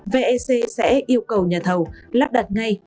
vec sẽ yêu cầu nhà thầu lắp đặt ngay